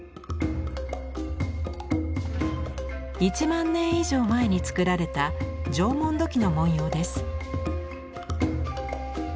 １万年以上前に作られた縄文土器の文様です。